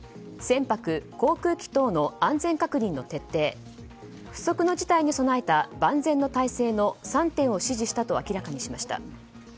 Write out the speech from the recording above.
船舶・航空機等の安全確認の徹底不測の事態に備えた万全の態勢の３点を指示したと明らかにしました。